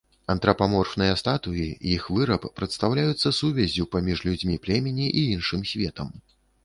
Антрапаморфныя статуі, іх выраб прадстаўляюцца сувяззю паміж людзьмі племені і іншым светам.